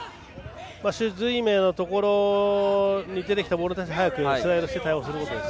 朱瑞銘のところに出てきたボールに対して速くスライドして対応することです。